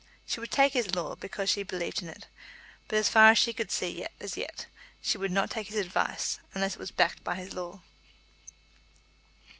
She would take his law, because she believed in it; but, as far as she could see as yet, she would not take his advice unless it were backed by his law.